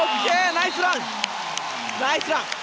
ナイスラン！